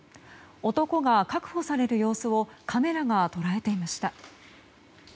男が確保される様子をカメラが捉えていました。